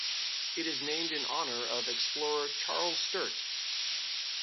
It is named in honour of explorer Charles Sturt.